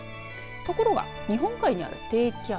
ところが、日本海にある低気圧